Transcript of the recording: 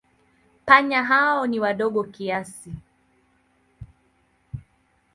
Panya hao ni wadogo kiasi.